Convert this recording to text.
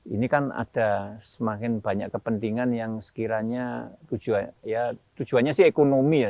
ini kan ada semakin banyak kepentingan yang sekiranya tujuannya sih ekonomi ya